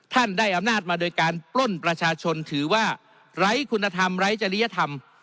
ได้อำนาจมาโดยการปล้นประชาชนถือว่าไร้คุณธรรมไร้จริยธรรม